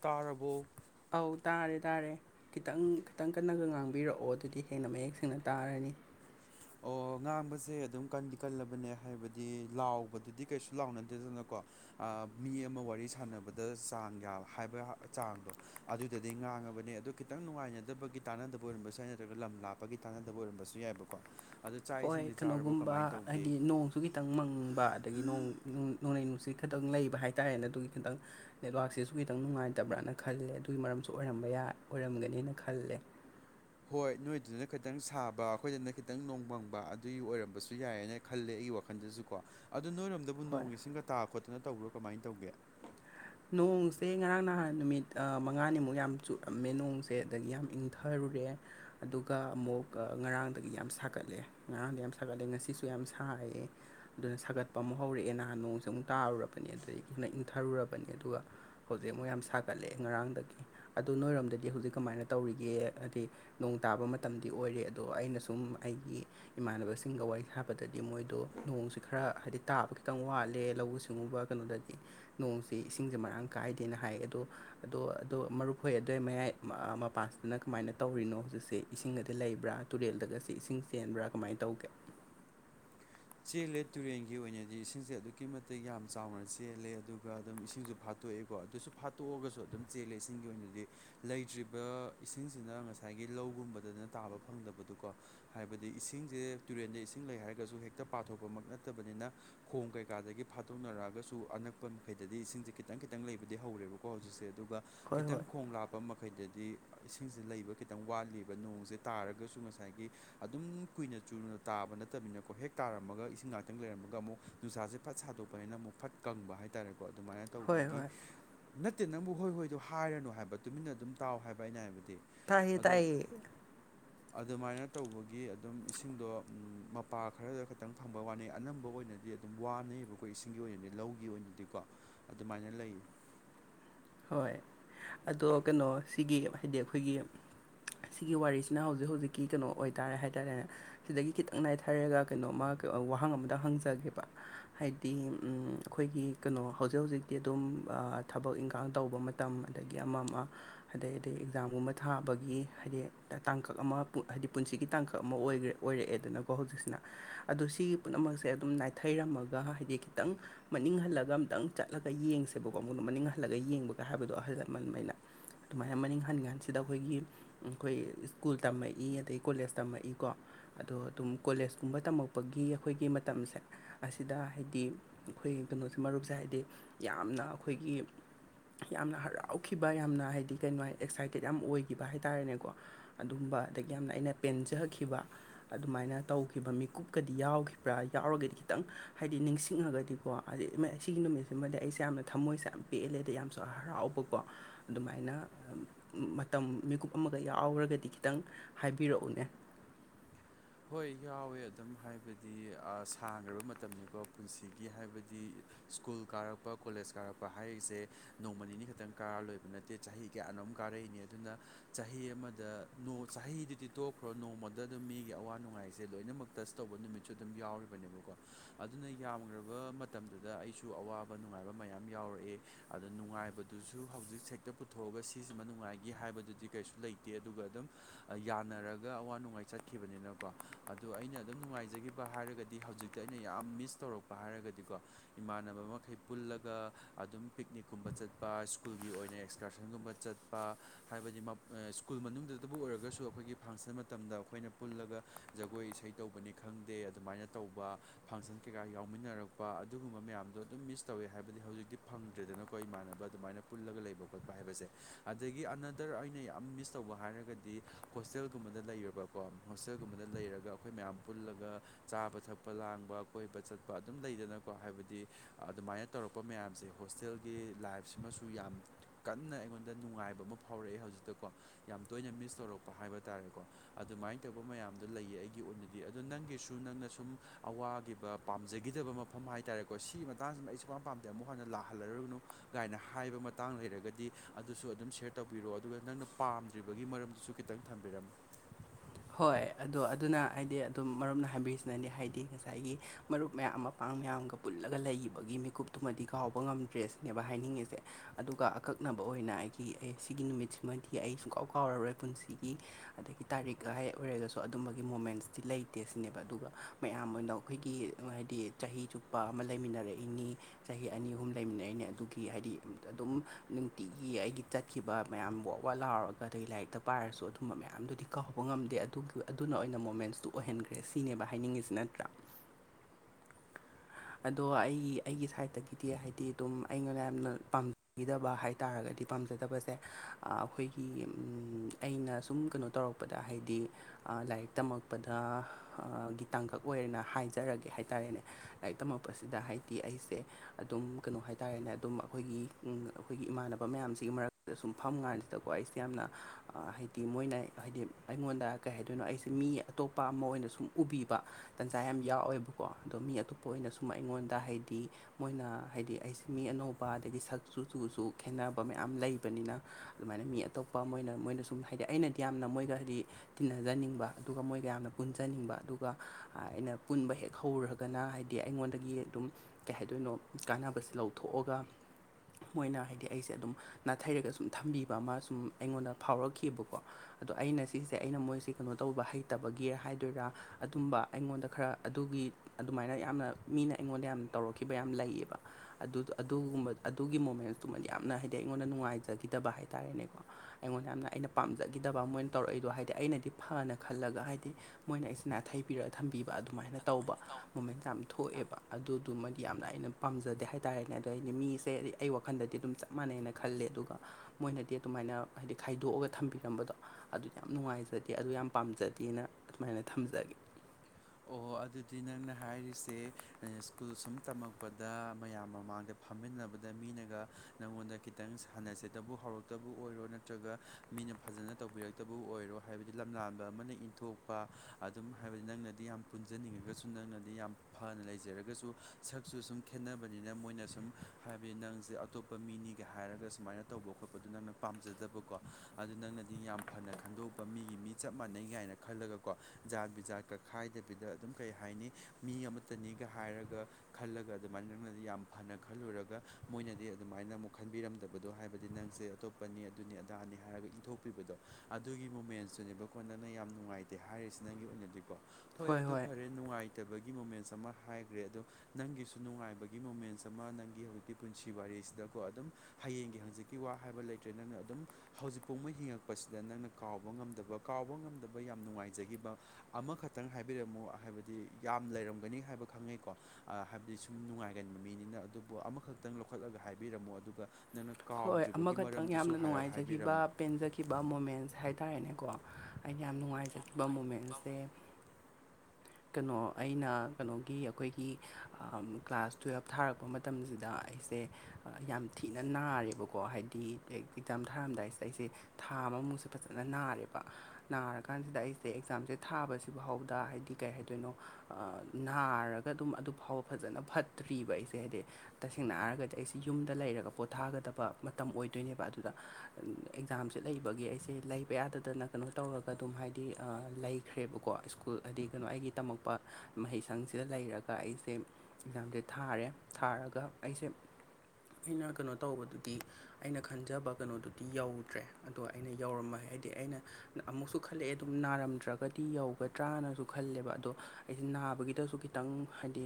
ꯇꯥꯔꯕꯣ ꯑꯧ ꯇꯥꯔꯦ ꯇꯥꯔꯦ ꯈꯤꯇꯪ ꯈꯤꯇꯪ ꯀꯟꯅꯒ ꯉꯥꯡꯕꯤꯔꯛꯑꯣ ꯑꯗꯨꯗꯤ ꯍꯦꯟꯅ ꯃꯌꯦꯛ ꯁꯦꯡꯅ ꯇꯥꯔꯅꯤ ꯑꯣ ꯉꯥꯡꯕꯁꯦ ꯑꯗꯨꯝ ꯀꯟꯗꯤ ꯀꯜꯂꯕꯅꯦ ꯍꯥꯏꯕꯗꯤ ꯂꯥꯎꯕꯗꯨꯗꯤ ꯀꯩꯁꯨ ꯂꯥꯎꯅꯗꯦꯗꯅꯀꯣ ꯑꯥ ꯃꯤ ꯑꯃ ꯋꯥꯔꯤ ꯁꯥꯟꯅꯕꯗ ꯆꯥꯡ ꯌꯥꯕꯥ ꯍꯥꯏꯕ ꯆꯥꯡꯗꯣ ꯑꯗꯨꯗꯗꯤ ꯉꯥꯡꯉꯕꯅꯦ ꯑꯗꯨ ꯈꯤꯇꯪ ꯅꯨꯡꯉꯥꯏꯅꯗꯕꯒꯤ ꯇꯥꯟꯅꯗꯕ ꯑꯣꯏꯔꯝꯕꯁꯨ ꯌꯥꯏ ꯅꯠꯇ꯭ꯔꯒ ꯂꯝ ꯂꯥꯞꯄꯒꯤ ꯇꯥꯟꯅꯗꯕ ꯑꯣꯏꯔꯝꯕꯁꯨ ꯌꯥꯏꯕꯀꯣ ꯑꯗꯣ ꯆꯥꯛ ꯍꯣꯏ ꯏꯁꯤꯡꯗꯤ ꯆꯥꯔꯕꯣ ꯀꯩꯅꯣꯒꯨꯝꯕ ꯀꯃꯥꯏꯅ ꯍꯥꯏꯗꯤ ꯇꯧꯒꯦ ꯅꯣꯡ ꯑꯗꯨꯨ ꯈꯤꯇꯪ ꯃꯪꯕ ꯑꯗꯒꯤ ꯅꯣꯡ ꯅꯣꯡ ꯅꯣꯡꯂꯩ ꯅꯨꯡꯁꯤꯠ ꯈꯤꯇꯪ ꯂꯩꯕ ꯍꯥꯏꯇꯥꯔꯦꯅꯦ ꯑꯗꯨꯒꯤ ꯈꯤꯇꯪ ꯅꯦꯠꯋꯥꯛꯛꯁꯤꯁꯨ ꯈꯤꯇꯪ ꯅꯨꯡꯉꯥꯏꯇꯕ꯭ꯔꯅ ꯈꯜꯂꯦ ꯑꯗꯨꯒꯤ ꯃꯔꯝꯁꯨ ꯑꯣꯏꯔꯝꯕ ꯌꯥꯏ ꯑꯣꯏꯔꯝꯒꯅꯦꯅ ꯈꯜꯂꯦ ꯍꯣꯏ ꯅꯣꯏꯗꯨꯅ ꯈꯤꯇꯪ ꯁꯥꯕ ꯑꯩꯈꯣꯏꯗꯅ ꯈꯤꯇꯪ ꯅꯣꯡꯃꯪꯕ ꯑꯗꯨꯒꯤ ꯑꯣꯏꯔꯝꯕꯁꯨ ꯌꯥꯏꯑꯅ ꯈꯜꯂꯦ ꯑꯩꯒꯤ ꯋꯥꯈꯟꯗꯁꯨꯀꯣ ꯑꯗꯣ ꯅꯣꯏꯔꯣꯝꯗꯕꯨ ꯍꯣꯏ ꯅꯣꯡ ꯏꯁꯤꯡꯒ ꯇꯥ ꯈꯣꯠꯇꯅ ꯇꯧꯕ꯭ꯔꯣ ꯀꯃꯥꯏꯅ ꯇꯧꯒꯦ ꯅꯣꯡꯁꯦ ꯉꯔꯥꯡ ꯅꯍꯥꯟ ꯅꯨꯃꯤꯠ ꯃꯉꯥꯅꯤꯃꯨꯛ ꯌꯥꯝ ꯆꯨꯔꯝꯃꯦ ꯅꯣꯡꯁꯦ ꯑꯗꯒꯤ ꯌꯥꯝ ꯏꯪꯊꯔꯨꯔꯦ ꯑꯗꯨꯒ ꯑꯃꯨꯛ ꯉꯔꯥꯡꯗꯒꯤ ꯌꯥꯝ ꯁꯥꯒꯠꯂꯦ ꯉꯔꯥꯡꯗꯒꯤ ꯌꯥꯝ ꯁꯥꯒꯠꯂꯦ ꯉꯁꯤꯁꯨ ꯌꯥꯝ ꯁꯥꯏꯌꯦꯦ ꯑꯗꯨꯅ ꯁꯥꯒꯠꯄ ꯑꯃꯨꯛ ꯍꯧꯔꯛꯑꯦ ꯅꯍꯥꯟ ꯅꯣꯡꯁꯦ ꯑꯃꯨꯛ ꯇꯥꯔꯨꯔꯕꯅꯤ ꯑꯗꯨꯗꯒꯤꯅ ꯏꯪꯊꯔꯨꯔꯕꯅꯤ ꯑꯗꯨꯒ ꯍꯧꯖꯤꯛ ꯃꯣꯏꯛ ꯌꯥꯝ ꯁꯥꯒꯠꯂꯛꯑꯦ ꯉꯔꯥꯡꯗꯒꯤ ꯑꯗꯨ ꯅꯣꯏꯔꯣꯝꯗꯗꯤ ꯍꯧꯖꯤꯛ ꯀꯃꯥꯏꯅ ꯇꯧꯔꯤꯒꯦ ꯍꯥꯏꯗꯤ ꯅꯣꯡ ꯇꯥꯕ ꯃꯇꯝꯗꯤ ꯑꯣꯏꯔꯦ ꯑꯗꯣ ꯑꯩꯅ ꯁꯨꯝ ꯑꯩꯒꯤ ꯏꯃꯥꯟꯅꯕꯁꯤꯡꯒ ꯋꯥꯔꯤ ꯁꯥꯕꯗꯗꯤ ꯃꯣꯏꯗꯣ ꯅꯣꯡꯁꯤ ꯈꯔ ꯍꯥꯏꯗꯤ ꯇꯥꯕ ꯈꯤꯇꯪ ꯋꯥꯠꯂꯦ ꯂꯧꯎ ꯁꯤꯡꯎꯕ ꯀꯩꯅꯣꯗꯗꯤ ꯅꯣꯡꯁꯤ ꯏꯁꯤꯡꯁꯦ ꯃꯔꯥꯡ ꯀꯥꯏꯗꯦꯅ ꯍꯥꯏ ꯑꯗꯣ ꯑꯗꯣ ꯑꯗꯣ ꯃꯔꯨ ꯍꯣꯏ ꯑꯗꯨꯏ ꯃꯌꯥꯏ ꯃꯄꯥꯥꯟꯁꯤꯗꯅ ꯀꯃꯥꯏꯅ ꯇꯧꯔꯤꯅꯣ ꯍꯧꯖꯤꯛꯁꯦ ꯏꯁꯤꯡꯒꯗꯤ ꯂꯩꯕ꯭ꯔꯥ ꯇꯨꯔꯦꯜꯗꯒ ꯁꯤ ꯏꯁꯤꯡ ꯆꯦꯟꯕ꯭ꯔꯥ ꯀꯃꯥꯏꯅ ꯇꯧꯒꯦ ꯆꯦꯜꯂꯦ ꯇꯨꯔꯦꯟꯒꯤ ꯑꯣꯏꯅꯗꯤ ꯏꯁꯤꯡꯁꯦ ꯑꯗꯨꯛꯀꯤ ꯃꯇꯤꯛ ꯌꯥꯝ ꯆꯥꯎꯅ ꯆꯦꯜꯂꯦ ꯑꯗꯨꯒ ꯑꯗꯨꯝ ꯏꯁꯤꯡꯁꯨ ꯐꯥꯠꯇꯣꯛꯑꯦꯀꯣ ꯑꯗꯨꯁꯨ ꯐꯥꯠꯇꯣꯛꯑꯒꯁꯨ ꯑꯗꯨꯝ ꯆꯦꯜꯂꯦ ꯏꯁꯤꯡꯒꯤ ꯑꯣꯏꯅꯗꯤ ꯂꯩꯇ꯭ꯔꯤꯕ ꯏꯁꯤꯡꯁꯤꯅ ꯉꯁꯥꯏꯒꯤ ꯂꯧꯒꯨꯝꯕꯗꯅ ꯇꯥꯕ ꯐꯪꯗꯕꯗꯨꯀꯣ ꯍꯥꯏꯕꯗꯤ ꯏꯁꯤꯡꯁꯦ ꯇꯨꯔꯦꯟꯗ ꯏꯁꯤꯡ ꯂꯩ ꯍꯥꯏꯔꯒꯁꯨ ꯍꯦꯛꯇ ꯄꯥꯊꯣꯛꯄꯃꯛ ꯅꯠꯇꯕꯅꯤꯅ ꯈꯣꯡ ꯀꯩꯀꯥꯗꯒꯤ ꯐꯥꯠꯇꯣꯛꯅꯔꯛꯑꯒꯁꯨ ꯑꯅꯛꯄ ꯃꯈꯩꯗꯗꯤ ꯏꯁꯤꯡꯁꯦ ꯈꯤꯇꯪ ꯈꯤꯇꯪ ꯂꯩꯕꯗꯤ ꯍꯧꯔꯦꯕꯀꯣ ꯍꯧꯖꯤꯛꯁꯦ ꯑꯗꯨꯒ ꯍꯣꯏ ꯍꯣꯏ ꯈꯤꯇꯪ ꯈꯣꯡ ꯂꯥꯞꯄ ꯄ ꯃꯈꯩꯗꯗꯤ ꯑꯥ ꯏꯁꯤꯡꯁꯦ ꯂꯩꯕ ꯈꯤꯇꯪ ꯋꯥꯠꯂꯤꯕ ꯅꯣꯡꯁꯦ ꯇꯥꯔꯒꯁꯨ ꯉꯁꯥꯏꯒꯤ ꯑꯗꯨꯝ ꯀꯨꯏꯅ ꯆꯨꯅ ꯇꯥꯕ ꯅꯠꯇꯕꯤꯅꯀꯣ ꯍꯦꯛ ꯇꯥꯔꯝꯃꯒ ꯏꯁꯤꯡ ꯉꯥꯛꯇꯪ ꯂꯩꯔꯃꯒ ꯑꯃꯨꯛ ꯅꯨꯡꯁꯥꯁꯦ ꯐꯠ ꯁꯥꯗꯣꯛꯄꯅꯤꯅ ꯑꯃꯨꯛ ꯐꯠ ꯀꯪꯕ ꯍꯥꯏꯇꯥꯔꯦꯀꯣ ꯑꯗꯨꯃꯥꯏꯅ ꯍꯣꯏ ꯇꯧꯕꯒꯤ ꯍꯣꯏ ꯅꯠꯇꯦ ꯅꯪꯕꯨ ꯍꯣꯏ ꯍꯣꯏꯗ ꯍꯥꯏꯔꯅꯨ ꯍꯥꯏꯕ ꯇꯨꯃꯤꯟꯅ ꯑꯗꯨꯝ ꯇꯥꯎ ꯍꯥꯏꯕ ꯑꯩꯅ ꯍꯥꯏꯕꯗꯤ ꯇꯥꯏꯌꯦ ꯑꯗꯣ ꯇꯥꯏꯌꯦ ꯑꯗꯨꯃꯥꯏꯅ ꯇꯧꯕꯒꯤ ꯑꯗꯨꯝ ꯏꯁꯤꯡꯗꯣ ꯃꯄꯥ ꯈꯔꯗ ꯇꯪ ꯐꯪꯕ ꯋꯥꯅꯩ ꯑꯅꯝꯕ ꯑꯣꯏꯅꯗꯤ ꯑꯗꯨꯝ ꯋꯥꯅꯩꯌꯦꯕ ꯑꯩꯈꯣꯏ ꯏꯁꯤꯡꯒꯤ ꯑꯣꯏꯅꯗꯤ ꯂꯧꯒꯤ ꯑꯣꯏꯅꯗꯤꯀꯣ ꯑꯗꯨꯃꯥꯏꯅ ꯂꯩꯌꯦ ꯍꯣꯏ ꯑꯗꯣ ꯀꯩꯅꯣ ꯁꯤꯒꯤ ꯍꯥꯏꯗꯤ ꯑꯩꯈꯣꯏꯒꯤ ꯁꯤꯒꯤ ꯋꯥꯔꯤꯁꯤꯅ ꯍꯧꯖꯤꯛ ꯍꯧꯖꯤꯛꯀꯤ ꯀꯩꯅꯣ ꯑꯣꯏꯇꯥꯔꯦ ꯍꯥꯏꯇꯥꯔꯦꯅꯦ ꯁꯤꯗꯒꯤ ꯈꯤꯇꯪ ꯉꯏꯊꯔꯒ ꯀꯩꯅꯣꯝꯃ ꯋꯥꯍꯪ ꯑꯃꯇ ꯍꯪꯖꯒꯦꯕ ꯍꯥꯏꯗꯤ ꯑꯩꯈꯣꯏꯒꯤ ꯀꯩꯅꯣ ꯍꯧꯖꯤꯛ ꯍꯧꯖꯤꯛꯇꯤ ꯑꯗꯨꯝ ꯊꯕꯛ ꯏꯪꯈ ꯈꯥꯡ ꯇꯧꯕ ꯃꯇꯝ ꯑꯗꯒꯤ ꯑꯃ ꯑꯃ ꯑꯗꯩ ꯑꯗꯩ ꯑꯦꯛꯖꯥꯝꯒꯨꯝꯕ ꯊꯥꯕꯒꯤ ꯍꯥꯏꯗꯤ ꯇꯥꯡꯀꯛ ꯑꯃ ꯍꯥꯏꯗꯤ ꯄꯨꯟꯁꯤꯒꯤ ꯇꯥꯡꯀꯛ ꯑꯃ ꯑꯣꯏꯈ꯭ꯔꯦ ꯑꯣꯏꯔꯛꯑꯦꯗꯅꯀꯣ ꯍꯧꯖꯤꯛꯁꯤꯅ ꯑꯗꯣ ꯁꯤꯒꯤ ꯄꯨꯝꯅꯃꯛꯁꯦ ꯑꯗꯨꯝ ꯅꯥꯏꯊꯩꯔꯝꯃꯒ ꯍꯥꯏꯗꯤ ꯈꯤꯇꯪ ꯃꯅꯤꯡꯍꯜꯂꯒ ꯑꯃꯨꯛꯇꯪ ꯆꯠꯂꯒ ꯌꯦꯡꯁꯦꯕꯀꯣ ꯃꯨꯛ ꯃꯅꯤꯡ ꯍꯜ ꯍꯜꯂꯒ ꯌꯦꯡꯕꯒ ꯍꯥꯏꯕꯗꯣ ꯑꯍꯜ ꯂꯃꯟꯃꯩꯅ ꯑꯗꯨꯃꯥꯏꯅ ꯃꯅꯤꯡꯍꯟ ꯀꯥꯟꯁꯤꯗ ꯑꯩꯈꯣꯏꯒꯤ ꯑꯩꯈꯣꯏ ꯁ꯭ꯀꯨꯜ ꯇꯝꯃꯛꯏ ꯑꯗꯒꯤ ꯀꯣꯂꯦꯖ ꯇꯝꯃꯛꯏꯀꯣ ꯑꯗꯣ ꯑꯗꯨꯝ ꯀꯣꯂꯦꯖꯀꯨꯝꯕ ꯇꯝꯃꯛꯄꯒꯤ ꯑꯩꯈꯣꯏꯒꯤ ꯃꯇꯝꯁꯦ ꯑꯁꯤꯗ ꯍꯥꯏꯗꯤ ꯑꯩꯈꯣꯏ ꯀꯩꯅꯣꯁꯦ ꯃꯔꯨꯞꯁꯦ ꯍꯥꯏꯗꯤ ꯌꯥꯝꯅ ꯑꯩꯈꯣꯏꯒꯤ ꯌꯥꯝꯅ ꯍꯔꯥꯎꯈꯤꯕ ꯌꯥꯝꯅ ꯍꯥꯏꯗꯤ ꯀꯩꯅꯣ ꯑꯦꯛꯁꯥꯏꯇꯦꯠ ꯌꯥꯝ ꯑꯣꯏꯈꯤꯕ ꯍꯥꯏ ꯇꯥꯔꯦꯅꯦꯀꯣ ꯑꯗꯨꯒꯕ ꯑꯗꯒꯤ ꯌꯥꯝꯅ ꯑꯩꯅ ꯄꯦꯟꯖꯍꯈꯤꯕ ꯑꯗꯨꯃꯥꯏꯅ ꯇꯧꯈꯤꯕ ꯃꯤꯀꯨꯞꯀꯗꯤ ꯌꯥꯎꯈꯤꯕ꯭ꯔꯥ ꯌꯥꯎꯔꯒꯗꯤ ꯈꯤꯇꯪ ꯍꯥꯏꯗꯤ ꯅꯤꯡꯁꯤꯡꯉꯒꯗꯤ ꯀꯣ ꯑꯗꯨꯩ ꯁꯤꯒꯤ ꯅꯨꯃꯤꯠꯁꯤꯃꯗꯤ ꯑꯩꯁꯦ ꯌꯥꯝꯅ ꯊꯝꯃꯣꯏꯁꯦ ꯌꯥꯝ ꯄꯦꯜꯂꯦꯗ ꯌꯥꯝꯁꯨ ꯍꯔꯥꯎꯕꯀꯣ ꯑꯗꯨꯃꯥꯏꯅ ꯃꯇꯝ ꯃꯤꯀꯨꯞ ꯑꯃꯒ ꯌꯥꯎꯔꯒꯗꯤ ꯈꯤꯇꯪ ꯍꯥꯏꯕꯤꯔꯛꯎꯅꯦ ꯍꯣꯏ ꯌꯥꯎꯋꯦ ꯑꯗꯨꯝ ꯍꯥꯏꯕꯗꯤ ꯁꯥꯡꯈ꯭ꯔꯕ ꯃꯇꯝꯅꯤꯀꯣ ꯄꯨꯟꯁꯤꯒꯤ ꯍꯥꯏꯕꯗꯤ ꯁ꯭ꯀꯨꯜ ꯀꯥꯔꯛꯄ ꯀꯣꯂꯦꯖ ꯀꯥꯔꯛꯄ ꯍꯥꯏꯔꯤꯁꯦ ꯅꯣꯡꯃ ꯅꯤꯅꯤ ꯈꯛꯇꯪ ꯀꯥꯔꯛ ꯂꯣꯏꯕ ꯅꯠꯇꯦ ꯇꯦ ꯆꯍꯤ ꯀꯌꯥꯅꯣꯝ ꯀꯥꯔꯛꯏꯅꯤ ꯑꯗꯨꯅ ꯆꯍꯤ ꯑꯃꯗ ꯆꯍꯤꯗꯨꯗꯤ ꯇꯣꯛꯈ꯭ꯔꯣ ꯅꯣꯡꯃꯗ ꯑꯗꯨꯝ ꯃꯤ ꯑꯋꯥ ꯅꯨꯡꯉꯥꯏꯁꯦ ꯂꯣꯏꯅꯃꯛ ꯇꯆ ꯇꯧꯕ ꯅꯨꯃꯤꯠꯁꯨ ꯑꯗꯨꯝ ꯌꯥꯎꯔꯤꯕꯅꯦꯕꯀꯣ ꯑꯗꯨꯅ ꯌꯥꯝꯈ꯭ꯔꯕ ꯃꯇꯝꯗꯨꯗ ꯑꯩꯁꯨ ꯑꯋꯥꯕ ꯅꯨꯡꯉꯥꯏꯕ ꯃꯌꯥꯝ ꯌꯥꯎꯔꯛꯑꯦ ꯑꯗ ꯅꯨꯡꯉꯥꯏꯕꯗꯨꯁꯨ ꯍꯧꯖꯤꯛ ꯁꯦꯛꯇ ꯄꯨꯊꯣꯛꯑꯒ ꯁꯤꯁꯤꯃ ꯅꯨꯡꯉꯥꯏꯒ ꯍꯥꯏꯕꯗꯨꯗꯤ ꯀꯩꯁꯨ ꯂꯩꯇꯦ ꯑꯗꯨꯒ ꯑꯗꯨꯝ ꯌꯥꯅꯔꯒ ꯑꯋꯥ ꯅꯨꯡꯉꯥꯏ ꯆꯠ ꯈꯤꯕꯅꯤꯅꯀꯣ ꯑꯗꯣ ꯑꯩꯅ ꯑꯗꯨꯝ ꯅꯨꯡꯉꯥꯏꯖꯒꯤꯈꯤꯕ ꯍꯥꯏꯔꯒꯗꯤ ꯍꯧꯖꯤꯛꯇ ꯑꯩꯅ ꯌꯥꯝ ꯃꯤꯁ ꯇꯧꯔꯛꯄ ꯍꯥꯏꯔꯒꯗꯤꯀꯣ ꯏꯃꯥꯟꯅꯕ ꯃꯈꯩ ꯄꯨꯜꯂꯒ ꯑꯗꯨꯝ ꯄꯤꯛꯅꯤꯛꯀꯨꯝꯕ ꯆꯠꯄ ꯁ꯭ꯀꯨꯜꯒꯤ ꯑꯣꯏꯅ ꯑꯦꯛꯁꯀꯔꯁꯟꯒꯨꯝꯕ ꯆꯠ ꯍꯥꯏꯕꯗꯤ ꯁ꯭ꯀꯨꯜ ꯃꯅꯨꯡꯗꯨꯇꯕꯨ ꯑꯣꯏꯔꯒꯁꯨ ꯑꯩꯈꯣꯏꯒꯤ ꯐꯪꯁꯟ ꯃꯇꯝꯗ ꯑꯩꯈꯣꯏꯅ ꯄꯨꯜꯂꯒ ꯖꯒꯣꯏ ꯏꯁꯩ ꯇꯧꯕꯅꯤ ꯈꯪꯗꯦ ꯑꯗꯨꯃꯥꯏꯅ ꯇꯧꯕ ꯐꯪꯁꯟ ꯀꯩꯀꯥ ꯌꯥꯎꯃꯤꯟꯅꯔꯛꯄ ꯑꯗꯨꯒꯨꯝꯕ ꯃꯌꯥꯝꯗꯣ ꯑꯗꯨꯝ ꯃꯤꯁ ꯇꯧꯋꯦ ꯍꯥꯏꯕꯗꯤ ꯍꯧꯖꯤꯛꯇꯤ ꯐꯪꯗ꯭ꯔꯦꯗꯅꯀꯣ ꯏꯃꯥꯟꯅꯕ ꯑꯗꯨꯃꯥꯏꯅ ꯄꯨꯜꯂꯒ ꯂꯩꯕ ꯈꯣꯠꯄ ꯍꯥꯏꯕꯁꯦ ꯑꯗꯒꯤ ꯑꯅꯗꯔ ꯑꯩꯅ ꯌꯥꯝ ꯃꯤꯁ ꯇꯧꯕ ꯍꯥꯏꯔꯒꯗꯤ ꯍꯣꯁꯇꯦꯜꯒꯨꯝꯕꯗ ꯂꯩꯔꯕꯀꯣ ꯍꯣꯁꯇꯦꯜꯒꯨꯝꯕꯗ ꯂꯩꯔꯒ ꯑꯩꯈꯣꯏ ꯃꯌꯥꯝ ꯄꯨꯜꯂꯒ ꯆꯥꯕ ꯊꯛꯄ ꯂꯥꯡꯕ ꯀꯣꯏꯕ ꯆꯠꯄ ꯑꯗꯨꯝ ꯂꯩꯗꯅꯀꯣ ꯍꯥꯏꯕꯗꯤ ꯑꯗꯨꯃꯥꯏꯅ ꯇꯧꯔꯛꯄ ꯃꯌꯥꯝꯁꯦ ꯍꯣꯁꯇꯦꯜꯒꯤ ꯂꯥꯏꯐꯁꯤꯃꯁꯨ ꯌꯥꯝ ꯀꯟꯅ ꯑꯩꯉꯣꯟꯗ ꯅꯨꯡꯉꯥꯏꯕ ꯑꯃ ꯐꯥꯎꯔꯛꯑꯦ ꯍꯧꯖꯤꯛꯇꯀꯣ ꯌꯥꯝ ꯇꯣꯏꯅ ꯃꯤꯁ ꯇꯧꯔꯛꯄ ꯍꯥꯏꯕ ꯇꯥꯔꯦꯀꯣ ꯑꯗꯨꯃꯥꯏꯅ ꯀꯩꯇꯧꯕ ꯃꯌꯥꯝꯗꯣ ꯂꯩꯌꯦ ꯑꯩꯒꯤ ꯑꯣꯏꯅꯗꯤ ꯑꯗꯣ ꯅꯪꯒꯤꯁꯨ ꯅꯪꯅ ꯁꯨꯝ ꯑꯋꯥꯕ ꯄꯥꯝꯖꯈꯤꯗꯕ ꯃꯐꯝ ꯍꯥꯏꯇꯥꯥꯔꯦꯀꯣ ꯁꯤꯒꯤ ꯃꯇꯥꯡꯁꯤꯃ ꯑꯩꯁꯨꯄꯥꯅ ꯄꯥꯝꯗꯦ ꯑꯃꯨꯛ ꯍꯟꯅ ꯂꯥꯛꯍꯜꯂꯔꯣꯏꯔꯤꯕꯅꯨ ꯒꯥꯏꯅ ꯍꯥꯏꯕ ꯃꯇꯥꯡ ꯂꯩꯔꯒꯗꯤ ꯑꯗꯨꯁꯨ ꯑꯗꯨꯝ ꯁꯦꯌꯔ ꯇꯧꯕꯤꯔꯛꯑꯣ ꯑꯗꯨꯒ ꯅꯪꯅ ꯄꯥꯝꯗ꯭ꯔꯤꯕꯒꯤ ꯃꯔꯝꯗꯨꯁꯨ ꯈꯤꯇꯪ ꯊꯝꯕꯤꯝꯃꯣ ꯍꯣꯏ ꯑꯗꯣ ꯑꯗꯨꯅ ꯍꯥꯏꯗꯤ ꯑꯗꯨꯝ ꯃꯔꯣꯝꯅ ꯍꯥꯏꯕꯤꯔꯤꯁꯤꯅꯗꯤ ꯍꯥꯏꯗꯤ ꯉꯁꯥꯏꯒꯤ ꯃꯔꯨꯞ ꯃꯌꯥꯝ ꯃꯄꯥꯡ ꯃꯌꯥꯝꯒ ꯄꯨꯜꯂꯒ ꯂꯩꯕꯒꯤ ꯃꯤꯀꯨꯞꯇꯨꯃꯗꯤ ꯀꯥꯎꯕ ꯉꯝꯗ꯭ꯔꯦ ꯁꯤꯅꯦꯕ ꯍꯥꯏꯅꯤꯡꯉꯤꯁꯦ ꯑꯗꯨꯒ ꯑꯀꯛꯅꯕ ꯑꯣꯏꯅ ꯑꯩꯒꯤ ꯑꯦ ꯁꯤꯒꯤ ꯅꯨꯃꯤꯠꯁꯤꯃꯗꯤ ꯑꯩ ꯁꯨꯡꯀꯥꯎ ꯀꯥꯎꯔꯔꯣꯏ ꯄꯨꯟꯁꯤꯒꯤ ꯑꯗꯒꯤ ꯇꯥꯔꯤꯛ ꯑꯣꯏꯔꯒꯁꯨ ꯑꯗꯨꯝꯕꯒꯤ ꯃꯣꯃꯦꯟꯁꯇꯤ ꯂꯩꯇꯦ ꯁꯤꯅꯦꯕ ꯑꯗꯨꯒ ꯃꯌꯥꯝ ꯑꯣꯏꯅ ꯑꯩꯈꯣꯏꯒꯤ ꯍꯥꯏꯗꯤ ꯆꯍꯤ ꯆꯨꯞꯄ ꯑꯃ ꯂꯩꯃꯤꯟꯅꯔꯛꯏꯅꯤ ꯆꯍꯤ ꯑꯅꯤ ꯑꯍꯨꯝ ꯂꯩꯃꯤꯟꯅꯩꯅꯦ ꯑꯗꯨꯒꯤ ꯍꯥꯏꯗꯤ ꯑꯗꯨꯝ ꯅꯨꯡꯇꯤꯒꯤ ꯑꯩꯒꯤ ꯆꯠ ꯀꯈꯤꯕ ꯃꯌꯥꯝꯕꯨ ꯑꯋꯥ ꯂꯥꯎꯔꯒ ꯑꯗꯗꯒꯤ ꯂꯥꯏꯔꯤꯛꯇ ꯄꯥꯏꯔꯁꯨ ꯑꯗꯨꯝꯕ ꯃꯌꯥꯝꯗꯨꯗꯤ ꯀꯧꯍꯧ ꯇꯧꯕ ꯉꯝꯗꯦ ꯑꯗꯨꯒꯤ ꯑꯗꯨꯅ ꯑꯣꯏꯅ ꯃꯣꯃꯦꯟꯁꯇꯨ ꯑꯣꯏꯍꯟꯈ꯭ꯔꯦ ꯁꯤꯅꯦꯕ ꯍꯥꯏꯅꯤꯡꯉꯁꯤ ꯅꯠꯇ꯭ꯔꯥ ꯑꯗꯣ ꯑꯩꯒꯤ ꯑꯩꯒꯤ ꯁꯥꯏꯗꯠꯇꯒꯤꯗꯤ ꯍꯥꯏꯗꯤ ꯑꯗꯨꯝ ꯑꯩꯩꯅꯣꯟꯅ ꯌꯥꯝꯅ ꯄꯥꯝꯕꯤꯕꯤꯗꯕ ꯍꯥꯏ ꯇꯥꯔꯒꯗꯤ ꯄꯥꯝꯖꯗꯕꯁꯦ ꯑꯩꯈꯣꯏꯒꯤ ꯑꯩꯅ ꯁꯨꯝ ꯀꯩꯅꯣ ꯇꯧꯔꯛꯄꯗ ꯍꯥꯏꯗꯤ ꯂꯥꯏꯔꯤꯛ ꯇꯝꯃꯛꯄꯗ ꯒꯤ ꯇꯥꯡꯀꯛ ꯑꯣꯏꯅ ꯍꯥꯏꯖꯔꯒꯦ ꯍꯥꯏ ꯇꯥꯔꯦꯅꯦ ꯂꯥꯏꯔꯤꯛ ꯇꯝꯃꯛꯄꯁꯤꯗ ꯍꯥꯏꯗꯤ ꯑꯩꯁꯦ ꯑꯗꯨꯝ ꯀꯩꯅꯣ ꯍꯥꯏꯇꯥꯥꯔꯦꯅꯦ ꯑꯗꯨꯝ ꯑꯩꯈꯣꯏꯒꯤ ꯑꯩꯈꯣꯏꯒꯤ ꯏꯃꯥꯟꯅꯕ ꯃꯌꯥꯝꯁꯤꯒꯤ ꯃꯔꯛ ꯁꯤꯗ ꯁꯨꯝ ꯐꯝ ꯀꯥꯟꯁꯤꯗꯀꯣ ꯑꯩꯁꯦ ꯌꯥꯝꯅ ꯍꯥꯏꯗꯤ ꯃꯣꯏꯅ ꯍꯥꯏꯗꯤ ꯑꯩꯉꯣꯟꯗ ꯀꯩ ꯍꯥꯏꯗꯣꯏꯅꯣ ꯑꯩꯁꯦ ꯃꯤ ꯑꯇꯣꯞꯄ ꯑꯃ ꯑꯣꯏꯅ ꯁꯨꯝ ꯎꯕꯤꯕ ꯇꯟꯖꯥ ꯌꯥꯝ ꯌꯥꯎꯋꯦꯕꯀꯣ ꯑꯗꯣ ꯃꯤ ꯑꯇꯣꯞ ꯑꯣꯏꯅ ꯁꯨꯝ ꯑꯩꯉꯣꯟꯗ ꯍꯥꯏꯗꯤ ꯃꯣꯏꯅ ꯍꯥꯏꯗꯤ ꯑꯩꯁꯦ ꯃꯤ ꯑꯅꯧꯕ ꯑꯗꯒꯤ ꯁꯛ ꯆꯨ ꯆꯨꯁꯨ ꯈꯦꯠꯅꯕ ꯃꯌꯥꯝ ꯂꯩꯕꯅꯤꯅ ꯑꯗꯨꯃꯥꯏꯅ ꯃꯤ ꯑꯇꯣꯞꯄ ꯃꯣꯏꯅ ꯃꯣꯏꯅ ꯁꯨꯝ ꯍꯥꯏꯗꯤ ꯑꯩꯅꯗꯤ ꯌꯥꯝꯅ ꯃꯣꯏꯒ ꯍꯥꯏꯗꯤ ꯇꯤꯟꯅꯖꯅꯤꯡꯕ ꯑꯗꯨꯒ ꯃꯣꯏꯒ ꯌꯥꯝꯅ ꯄꯨꯟꯖꯅꯤꯡꯕ ꯑꯗꯨꯒ ꯑꯩꯅ ꯄꯨꯟꯕ ꯍꯦꯛ ꯍꯧꯔꯒꯅ ꯍꯥꯏꯗꯤ ꯗꯤ ꯑꯩꯉꯣꯟꯗꯒꯤ ꯑꯗꯨꯝ ꯀꯩ ꯍꯥꯏꯗꯣꯏꯅꯣ ꯀꯥꯟꯅꯕꯁꯤ ꯂꯧꯊꯣꯛꯑꯒ ꯃꯣꯏꯅ ꯍꯥꯏꯗꯤ ꯑꯩꯁꯦ ꯑꯗꯨꯝ ꯅꯥꯊꯩꯔꯒ ꯁꯨꯝ ꯊꯝꯕꯤꯕ ꯑꯃ ꯁꯨꯝ ꯑꯩꯉꯣꯟꯗ ꯐꯥꯎꯔꯛꯈꯤꯕꯑꯕꯀꯣ ꯑꯗꯣ ꯑꯩꯅ ꯁꯤꯁꯦ ꯑꯩꯅ ꯃꯣꯏꯁꯤꯦ ꯀꯩꯅꯣ ꯇꯧꯕ ꯍꯩꯇꯕꯒꯤ ꯍꯥꯏꯗꯣꯏꯔꯥ ꯑꯗꯨꯝꯕ ꯑꯩꯉꯣꯟꯗ ꯈꯔ ꯑꯗꯨꯒꯤ ꯑꯗꯨꯃꯥꯏꯅ ꯌꯥꯝꯅ ꯃꯤꯅ ꯑꯩꯉꯣꯟꯗ ꯌꯥꯝ ꯇꯧꯔꯛꯈꯤꯕ ꯌꯥꯝ ꯂꯩꯌꯦꯕ ꯑꯗꯨꯗꫭ ꯑꯗꯨꯒꯨꯝꯕ ꯑꯗꯨꯒꯤ ꯃꯣꯃꯦꯟꯁꯇꯨꯃꯗꯤ ꯌꯥꯝꯅ ꯍꯥꯏꯗꯤ ꯑꯩꯉꯣꯟꯗ ꯅꯨꯡꯉꯥꯏꯖꯈꯤꯗꯕ ꯍꯥꯏꯇꯥꯥꯔꯦꯅꯦꯀꯣ ꯑꯩꯉꯣꯟꯗ ꯌꯥꯝꯅ ꯑꯩꯅ ꯄꯥꯝꯖꯈꯤꯗꯕ ꯑꯃ ꯑꯣꯏꯅ ꯇꯧꯔꯛꯏꯗꯣ ꯍꯥꯏꯗꯤ ꯑꯩꯅꯗꯤ ꯐꯅ ꯈꯜꯂꯒ ꯍꯥꯏꯗꯤ ꯃꯣꯏꯅ ꯑꯩꯁꯤ ꯅꯥꯊꯩꯕꯤꯔꯛꯑꯦ ꯊꯝꯕꯤꯕ ꯑꯗꯨꯃꯥꯏꯅ ꯇꯧꯕ ꯃꯣꯃꯦꯟꯁ ꯌꯥꯝ ꯊꯣꯛꯑꯦꯕ ꯑꯗꯨꯗꯨꯃꯗꯤ ꯌꯥꯝꯅ ꯑꯩꯅ ꯄꯥꯝꯖꯗꯦ ꯍꯥꯏꯇꯥꯔꯦꯅꯦ ꯑꯗꯣ ꯑꯩꯗꯤ ꯃꯤꯁꯦ ꯑꯩ ꯋꯥꯈꯟꯗꯗꯤ ꯑꯗꯨꯝ ꯆꯞ ꯃꯥꯟꯅꯩꯅ ꯈꯜꯂꯦ ꯑꯗꯨꯒ ꯃꯣꯏꯅꯗꯤ ꯑꯗꯨꯃꯥꯏꯅ ꯍꯥꯏꯗꯤ ꯈꯥꯏꯗꯣꯛꯑꯒ ꯊꯝꯕꯤꯔꯝꯕꯗꯣ ꯑꯗꯨ ꯌꯥꯝ ꯅꯨꯡꯉꯥꯏꯖꯗꯦ ꯑꯗꯨ ꯌꯥꯝ ꯄꯥꯝꯖꯗꯦꯅ ꯑꯗꯨꯃꯥꯏꯅ ꯊꯝꯖꯒꯦ ꯑꯣ ꯑꯗꯨꯗꯤ ꯅꯪꯅ ꯍꯥꯏꯔꯤꯁꯦ ꯁ꯭ꯀꯨꯜ ꯁꯨꯝ ꯇꯝꯃꯛꯄꯗ ꯃꯌꯥꯝ ꯃꯃꯥꯡꯗ ꯐꯝꯃꯤꯟꯅꯕꯗ ꯃꯤꯅꯒ ꯅꯪꯉꯣꯟꯗ ꯈꯤꯇꯪ ꯁꯥꯟꯅꯁꯦꯇꯕꯨ ꯍꯧꯔꯛꯇꯕꯨ ꯑꯣꯏꯔꯣ ꯅꯠꯇ꯭ꯔꯒ ꯃꯤꯅ ꯐꯖꯅ ꯇꯧꯕꯤꯔꯛꯇꯕꯕꯨ ꯑꯣꯏꯔꯣ ꯍꯥꯏꯕꯗꯤ ꯂꯝꯂꯥꯟꯕ ꯑꯃꯅ ꯏꯟꯊꯣꯛꯄ ꯑꯗꯨꯝ ꯍꯥꯏꯕꯗꯤ ꯅꯪꯅ ꯗꯤ ꯌꯥꯝ ꯄꯨꯟꯖꯅꯤꯡꯉꯒꯁꯨ ꯅꯪꯅꯗꯤ ꯌꯥꯝ ꯐꯅ ꯂꯩꯖꯔꯒꯁꯨ ꯁꯛꯁꯨ ꯁꯨꯝ ꯈꯦꯠꯅꯕꯅꯤꯅ ꯃꯣꯏꯅ ꯁꯨꯝ ꯍꯥꯏꯕꯗꯤ ꯅꯪꯁꯦ ꯑꯇꯣꯞꯄ ꯃꯤꯅꯤꯒ ꯍꯥꯏꯔꯒ ꯁꯨꯃꯥꯏꯅ ꯇꯧꯕ ꯈꯣꯠꯄꯗꯣ ꯅꯪꯅ ꯄꯥꯝꯖꯗꯕꯀꯣ ꯑꯗꯨ ꯅꯪꯅꯗꯤ ꯌꯥꯝ ꯐꯅ ꯈꯟꯗꯣꯛꯄ ꯃꯤꯒꯤ ꯃꯤ ꯆꯞ ꯃꯥꯟꯅꯩ ꯀꯥꯏꯅ ꯈꯜꯂꯒꯀꯣ ꯖꯥꯠ ꯕꯤꯖꯥꯠꯀ ꯈꯥꯏꯗꯕꯤꯗ ꯑꯗꯨꯝ ꯀꯩ ꯍꯥꯏꯅꯤ ꯃꯤ ꯑꯃꯠꯇꯅꯤꯒ ꯍꯥꯏꯔꯒ ꯈꯜꯂꯒ ꯑꯗꯨꯃꯥꯏꯅ ꯅꯪꯅꯗꯤ ꯌꯥꯝ ꯐꯅ ꯈꯜꯂꯨꯔꯒ ꯃꯣꯏꯅꯗꯤ ꯑꯗꯨꯃꯥꯏꯅ ꯑꯃꯨꯛ ꯈꯟꯕꯤꯔꯝꯗꯕꯗꯣ ꯍꯥꯏꯕꯗꯤ ꯅꯪꯁꯦ ꯑꯇꯣꯞꯄꯅꯤ ꯑꯗꯨꯅꯤ ꯑꯗꯥꯅꯤ ꯍꯥꯏꯔꯒ ꯏꯟꯊꯣꯛꯄꯤꯕꯗꯣ ꯑꯗꯨꯒꯤ ꯃꯣꯃꯦꯟꯁꯇꯨꯅꯦꯕꯀꯣ ꯅꯪꯅ ꯌꯥꯝ ꯅꯨꯡꯉꯥꯏ ꯇꯦ ꯍꯥꯏꯔꯤꯁꯤ ꯅꯪꯒꯤ ꯑꯣꯏꯅꯗꯤꯀꯣ ꯍꯣꯏ ꯑꯗꯨ ꯐꯔꯦ ꯅꯨꯡꯉꯥꯏꯇꯕꯒꯤ ꯃꯣꯃꯦꯟꯁ ꯑꯃ ꯍꯥꯏꯈ꯭ꯔꯦ ꯑꯗꯣ ꯅꯪꯒꯤꯁꯨ ꯅꯨꯡꯉꯥꯏꯕꯒꯤ ꯃꯣꯃꯦꯟꯁ ꯑꯃ ꯅꯪꯒꯤ ꯍꯧꯖꯤꯛꯇꯤ ꯄꯨꯟꯁꯤ ꯋꯥꯔꯤꯁꯤꯗꯀꯣ ꯑꯗꯨꯝ ꯍꯌꯦꯡꯒꯤ ꯍꯥꯡꯆꯤꯠꯀꯤ ꯋꯥ ꯍꯥꯏꯕ ꯂꯩꯇ꯭ꯔꯦ ꯅꯪꯅ ꯑꯗꯨꯝ ꯍꯧꯖꯤꯛꯐꯥꯎꯃꯛ ꯍꯤꯡꯉꯛꯄꯁꯤꯗ ꯅꯪꯅ ꯀꯥꯎꯕ ꯉꯝꯗꯕ ꯀꯥꯎꯕ ꯉꯝꯗꯕ ꯌꯥꯝ ꯅꯨꯡꯉꯥꯏꯖꯈꯤꯕ ꯑꯃꯈꯛ ꯇꯪ ꯍꯥꯏꯕꯤꯔꯝꯃꯨ ꯍꯥꯏꯕꯗꯤ ꯌꯥꯝ ꯂꯩꯔꯝꯒꯅꯤ ꯍꯥꯏꯕ ꯈꯪꯉꯩꯀꯣ ꯑ ꯍꯥꯏꯕꯗꯤ ꯁꯨꯝ ꯅꯨꯡꯉꯥꯏꯒꯟꯕ ꯃꯤꯅꯤꯅ ꯑꯗꯨꯕꯨ ꯑꯃꯈꯛꯇꯪ ꯂꯧꯈꯠꯂꯒ ꯍꯥꯏꯕꯤꯔꯝꯃꯣ ꯑꯗꯨꯒ ꯅꯪꯅ ꯍꯣꯏ ꯀꯥꯎꯗ꯭ꯔꯤꯕꯒꯤ ꯑꯃꯈꯛꯇꯪ ꯃꯔꯝꯗꯨꯁꯨ ꯌꯥꯝꯅ ꯍꯥꯏꯔꯞ ꯅꯨꯡꯉꯥꯏꯖꯈꯤꯕ ꯍꯥꯏꯕꯤꯔꯝꯃꯨ ꯄꯦꯟꯖꯈꯤꯕ ꯃꯣꯃꯦꯟꯁ ꯍꯥꯏ ꯇꯥꯔꯦꯅꯦꯀꯣ ꯑꯩꯅ ꯌꯥꯝ ꯅꯨꯡꯉꯥꯏꯖꯈꯤꯕ ꯃꯣꯃꯦꯟꯁꯦ ꯀꯩꯅꯣ ꯑꯩꯅ ꯀꯩꯅꯣꯒꯤ ꯑꯩꯈꯣꯏꯒꯤ ꯀ꯭ꯂꯥꯁ ꯇꯨꯌꯦꯜꯞ ꯊꯥꯔꯛꯄ ꯃꯇꯝꯁꯤꯗ ꯑꯩꯁꯦ ꯌꯥꯝ ꯊꯤꯅ ꯅꯥꯔꯦꯕꯀꯣ ꯍꯥꯏꯗꯤ ꯑꯦꯛꯖꯥꯝ ꯊꯥꯔꯝꯗꯥꯏꯁꯤꯗ ꯑꯩꯁꯦ ꯊꯥ ꯑꯃꯃꯨꯛꯁꯦ ꯐꯖꯅ ꯅꯥꯔꯦꯕ ꯅꯥꯔ ꯀꯥꯟꯁꯤꯗ ꯑꯩꯁꯦ ꯑꯦꯛꯖꯥꯝꯁꯦ ꯊꯥꯕꯁꯤꯐꯥꯎꯗ ꯍꯥꯏꯗꯤ ꯀꯩ ꯍꯥꯏꯗꯣꯏꯅꯣ ꯅꯥꯔꯒ ꯑꯗꯨꯝ ꯑꯗꯨꯐꯥꯎꯕ ꯐꯖꯅ ꯐꯠꯇ꯭ꯔꯤꯕ ꯑꯩꯁꯦ ꯍꯥꯏꯗꯤ ꯇꯁꯦꯡꯅ ꯍꯥꯏꯔꯒꯗꯤ ꯑꯩꯁꯦ ꯌꯨꯝꯗ ꯂꯩꯔꯒ ꯄꯣꯊꯥꯒꯗꯕ ꯃꯇꯝ ꯑꯣꯏꯗꯣꯏꯅꯦꯕ ꯑꯗꯨꯗ ꯑꯦꯛꯖꯥꯝꯁꯦ ꯂꯩꯕꯒꯤ ꯑꯩꯁꯦ ꯂꯩꯕ ꯌꯥꯗꯗꯅ ꯀꯩꯅꯣ ꯇꯧꯔꯒ ꯑꯗꯨꯝ ꯍꯥꯏꯗꯤ ꯂꯩ ꯈ꯭ꯔꯦꯕꯀꯣ ꯏꯁ꯭ꯀꯨꯜ ꯍꯥꯏꯗꯤ ꯀꯩꯅꯣ ꯑꯩꯒꯤ ꯇꯝꯃꯛꯄ ꯃꯍꯩꯁꯪꯁꯤꯗ ꯂꯩꯔꯒ ꯑꯩꯁꯦ ꯑꯦꯛꯖꯥꯝꯁꯦ ꯊꯥꯔꯦ ꯊꯥꯔꯒ ꯑꯩꯁꯦ ꯑꯩꯅ ꯀꯩꯅꯣ ꯇꯧꯕꯗꯨꯗꯤ ꯑꯩꯅ ꯈꯟꯖꯕ ꯀꯩꯅꯣꯗꯨꯗꯤ ꯌꯎꯗ꯭ꯔꯦ ꯑꯗꯣ ꯑꯩꯅ ꯌꯥꯎꯔꯝꯕ ꯍꯥꯏꯗꯤ ꯑꯩꯅ ꯑꯃꯨꯛꯁꯨ ꯈꯜꯂꯛꯑꯦ ꯑꯗꯨꯝ ꯅꯥꯔꯝꯗ꯭ꯔꯒꯗꯤ ꯌꯧꯒꯗ꯭ꯔꯅꯁꯨ ꯈꯜꯂꯦꯕ ꯑꯗꯣ ꯑꯩꯁꯦ ꯅꯥꯕꯒꯤꯗꯁꯨ ꯈꯤꯇꯪ ꯍꯥꯏꯗꯤ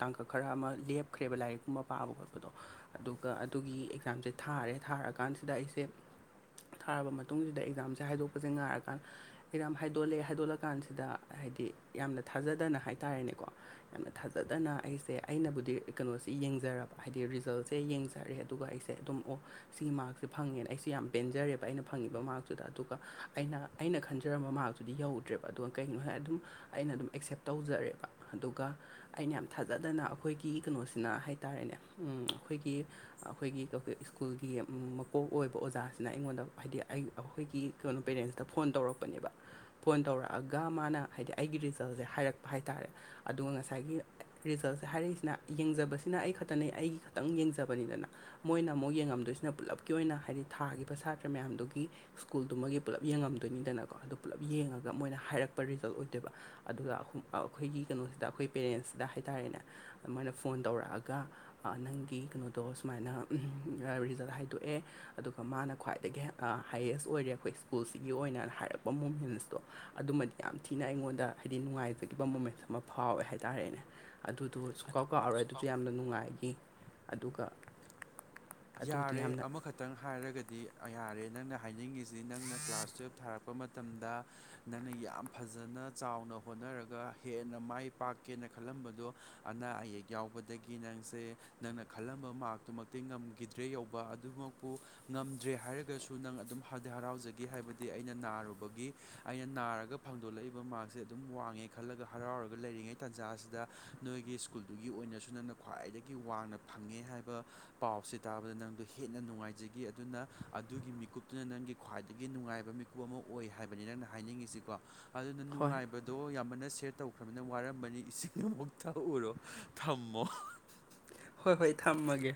ꯇꯥꯡꯀꯛ ꯈꯔ ꯑꯃ ꯂꯦꯞ ꯈ꯭ꯔꯦꯕ ꯂꯥꯏꯔꯤꯛꯀꯨꯝꯕ ꯄꯥꯕ ꯈꯣꯠꯗꯣ ꯑꯗꯨꯒ ꯑꯗꯨꯒꯤ ꯑꯦꯛꯖꯥꯝꯁꯦ ꯊꯥꯔꯦ ꯊꯥꯔꯀꯥꯟꯁꯤꯗ ꯑꯩꯁꯦ ꯊꯥꯔꯕ ꯃꯇꯨꯡꯁꯤꯗ ꯑꯦꯛꯖꯥꯝꯁꯦ ꯍꯥꯏꯗꯣꯛꯄꯁꯦ ꯉꯥꯏꯔꯀꯥꯟꯗ ꯑꯦꯛꯖꯥꯝ ꯍꯥꯏꯗꯣꯛꯂꯦ ꯍꯥꯏꯗꯣꯛꯠꯂꯀꯥꯟꯁꯤꯗ ꯍꯥꯏꯗꯤ ꯌꯥꯝꯅ ꯊꯥꯖꯗꯅ ꯍꯥꯏꯇꯥꯔꯦꯅꯦꯀꯣ ꯌꯥꯝꯅ ꯊꯥꯖꯗꯅ ꯑꯩꯁꯦ ꯑꯩꯅꯕꯨꯗꯤ ꯀꯩꯅꯣꯁꯤ ꯌꯦꯡꯖꯔꯕ ꯍꯥꯏꯗꯤ ꯔꯤꯖꯜꯁꯦ ꯌꯦꯡꯖꯔꯦ ꯑꯗꯨꯒ ꯑꯩꯁꯦ ꯁꯦ ꯑꯗꯨꯝ ꯑꯣ ꯁꯤꯒꯤ ꯃꯥꯔꯛꯁꯦ ꯐꯪꯉꯦꯅ ꯑꯩꯁꯦ ꯌꯥꯝ ꯄꯦꯟꯖꯔꯦꯕ ꯑꯩꯅ ꯐꯪꯉꯤꯕ ꯃꯥꯔꯛꯇꯨꯗ ꯑꯗꯨꯒ ꯑꯩꯅ ꯑꯩꯅ ꯈꯟꯖꯔꯝꯕ ꯃꯥꯔꯇꯨꯗꯤ ꯌꯧꯗ꯭ꯔꯦꯕ ꯑꯗꯨꯒ ꯀꯩꯅꯣ ꯍꯥꯏꯔꯦ ꯑꯗꯨꯝ ꯑꯩꯅ ꯑꯗꯨꯝ ꯑꯦꯛꯁꯦꯞ ꯇꯧꯖꯔꯦꯕ ꯑꯗꯨꯒ ꯑꯩꯅ ꯌꯥꯝ ꯊꯥꯖꯗꯅ ꯑꯩꯈꯣꯏꯒꯤ ꯀꯩꯅꯣꯁꯤꯅ ꯍꯥꯏ ꯇꯥꯔꯦꯅꯦ ꯎꯝ ꯑꯩꯈꯣꯏꯒꯤ ꯑꯩꯈꯣꯏꯒꯤ ꯁ꯭ꯀꯨꯜꯒꯤ ꯃꯀꯣꯛ ꯑꯣꯏꯕ ꯑꯣꯖꯥꯁꯤꯅ ꯑꯩꯉꯣꯟꯗ ꯍꯥꯏꯗꯤ ꯑꯩ ꯑꯩꯈꯣꯏꯒꯤ ꯀꯅꯣ ꯄꯦꯔꯦꯟꯁꯇ ꯐꯣꯟ ꯇꯧꯔꯛꯄꯅꯦꯕ ꯐꯣꯟ ꯇꯧꯔꯛꯑꯒ ꯃꯥꯅ ꯍꯥꯏꯗꯤ ꯑꯩꯒꯤ ꯔꯤꯖꯜꯁꯦ ꯍꯥꯏꯔꯛꯄ ꯍꯥꯏ ꯇꯥꯔꯦ ꯑꯗꯨꯒ ꯉꯁꯥꯏꯒꯤ ꯔꯤꯖꯜꯁꯦ ꯍꯥꯏꯔꯛꯏꯁꯤꯅ ꯌꯦꯡꯖꯕꯁꯤꯅ ꯑꯩ ꯈꯛꯇꯅꯦ ꯑꯩꯒꯤ ꯈꯛꯇꯪ ꯌꯦꯡꯖꯕꯅꯤ ꯗꯅꯥ ꯃꯣꯏꯅ ꯑꯃꯨꯛ ꯌꯦꯡꯉꯝꯗꯣꯏꯁꯤꯅ ꯄꯨꯜꯂꯞꯀꯤ ꯑꯣꯏꯅ ꯍꯥꯏꯗꯤ ꯊꯥꯈꯤꯕ ꯁꯥꯇ꯭ꯔ ꯃꯌꯥꯝꯗꯨꯒꯤ ꯁ꯭ꯀꯨꯜꯗꯨꯃꯒꯤ ꯄꯨꯂꯞ ꯌꯦꯡꯉꯝꯗꯣꯏꯅꯤꯗꯅ ꯀꯣ ꯑꯗꯨ ꯄꯨꯂꯞꯌꯦꯡꯉꯒ ꯃꯣꯏꯅ ꯍꯥꯏꯔꯛꯄ ꯔꯤꯖꯜ ꯑꯣꯏ ꯕ ꯑꯗꯨꯒ ꯑ ꯑꯩꯈꯣꯏꯒꯤ ꯀꯩꯅꯣꯁꯤꯗ ꯑꯩꯈꯣꯏ ꯄꯦꯔꯦꯟꯁꯁꯤꯗ ꯍꯥꯏꯇꯥꯔꯦꯅꯦ ꯑꯃꯣꯏꯅ ꯐꯣꯟ ꯇꯧꯔꯛꯑꯒ ꯅꯪꯒꯤ ꯀꯩꯅꯣꯗꯣ ꯁꯨꯃꯥꯏꯅ ꯔꯤꯖꯜ ꯍꯥꯏꯗꯣꯛꯑꯦ ꯑꯗꯨꯒ ꯃꯥꯅ ꯈ꯭ꯋꯥꯏꯗꯒꯤ ꯍꯥꯏꯌꯦꯁ ꯑꯣꯏꯔꯦ ꯑꯩꯈꯣꯏ ꯁ꯭ꯀꯨꯜꯁꯤꯒꯤ ꯑꯣꯏꯅ ꯍꯥꯏꯔꯛꯄ ꯃꯨꯃꯦꯟꯁꯇꯣ ꯑꯗꯨꯃꯗꯤ ꯌꯥꯝ ꯊꯤꯅ ꯊꯤꯅ ꯑꯩꯉꯣꯟꯗ ꯍꯥꯏꯗꯤ ꯅꯨꯡꯉꯥꯏꯖꯒꯤꯈꯤꯕ ꯃꯣꯃꯦꯟ ꯑꯃ ꯐꯥꯎꯋꯦ ꯍꯥꯏꯇꯥꯔꯦꯅꯦ ꯑꯗꯨꯗꯣ ꯁꯨꯡꯀꯥꯎ ꯀꯥꯎꯥꯎꯔꯣꯏ ꯑꯗꯨꯁꯨ ꯌꯥꯝꯅ ꯅꯨꯡꯉꯥꯏꯈꯤ ꯑꯗꯨꯒ ꯑꯗꯨꯗꯣ ꯌꯥꯔꯦ ꯌꯥꯝꯅ ꯑꯃꯈꯛ ꯇꯪ ꯍꯥꯏꯔꯒꯗꯤ ꯌꯥꯔꯦ ꯅꯪꯅ ꯍꯥꯏꯅꯤꯡꯉꯤꯁꯤ ꯅꯪꯅ ꯀ꯭ꯂꯥꯁ ꯇꯨꯌꯦꯜꯞ ꯊꯥꯔꯛꯄ ꯃꯇꯝꯗ ꯅꯪꯅ ꯌꯥꯝ ꯐꯖꯅ ꯆꯥꯎꯅ ꯍꯣꯠꯅꯔꯒ ꯍꯦꯟꯅ ꯃꯥꯏ ꯄꯥꯛꯀꯦꯅ ꯈꯜꯂꯝꯕꯗꯣ ꯑꯅꯥ ꯑꯌꯦꯛ ꯌꯥꯎꯕꯗꯒꯤ ꯅꯪꯁꯦ ꯅꯪꯅ ꯈꯜꯂꯝꯕ ꯃꯥꯔꯛꯇꯨꯃꯛꯇꯤ ꯉꯝ ꯒꯤꯗ꯭ꯔꯦ ꯌꯧꯕ ꯑꯗꯨꯃꯛꯄꯨ ꯉꯝꯗ꯭ꯔꯦ ꯍꯥꯏꯔꯒꯁꯨ ꯅꯪ ꯑꯗꯨꯝ ꯍꯔꯥꯎꯖꯒꯦ ꯍꯥꯏꯕꯗꯤ ꯑꯩꯅ ꯅꯥꯔꯨꯕꯒꯤ ꯑꯩꯅ ꯅꯥꯔꯒ ꯐꯪꯗꯣꯂꯛꯏꯕ ꯃꯥꯔꯛꯁꯦ ꯑꯗꯨꯝ ꯋꯥꯡꯉꯦ ꯈꯜꯂꯒ ꯍꯔꯥꯎꯔꯒ ꯂꯩꯔꯤꯉꯩ ꯇꯥꯟꯖꯥꯁꯤꯗ ꯅꯣꯏꯒꯤ ꯀꯨꯜꯗꯨꯒꯤ ꯑꯣꯏꯅꯁꯨ ꯅꯪꯅ ꯈ꯭ꯋꯥꯏꯗꯒꯤ ꯋꯥꯡꯅ ꯐꯪꯉꯦ ꯍꯥꯏꯕ ꯄꯥꯎꯁꯦ ꯇꯥꯕꯗ ꯅꯪꯗ ꯍꯦꯟꯅ ꯅꯨꯡꯉꯥꯏꯖꯈꯤ ꯑꯗꯨꯅ ꯑꯗꯨꯒꯤ ꯃꯤꯀꯨꯞꯇꯨꯅ ꯅꯪꯒꯤ ꯈ꯭ꯋꯥꯏꯗꯒꯤ ꯅꯨꯡꯉꯥꯏꯕ ꯃꯤꯀ ꯑꯃ ꯑꯣꯏ ꯍꯥꯏꯕꯅꯤ ꯅꯪꯅ ꯍꯥꯏꯅꯤꯡꯏꯁꯤꯀꯣ ꯑꯗꯨꯅ ꯍꯣꯏ ꯅꯨꯡꯉꯥꯏꯕ ꯗꯣ ꯌꯥꯝꯃꯟꯅ ꯁꯦꯌꯔ ꯇꯧꯈ꯭ꯔꯕꯅꯤꯅ ꯋꯥꯔꯝꯃꯅꯤ ꯏꯁꯤꯡꯗꯨꯃꯨ ꯊꯛꯎꯔꯣ ꯊꯝꯃꯣ ꯍꯣꯏ ꯍꯣꯏ ꯊꯝꯃꯒꯦ